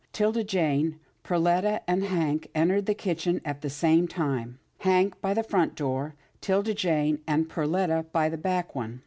'Tilda Jane, Perletta and Hank entered the kitchen at the same time. Hank by the front door, 'Tilda Jane and Perletta by the back one.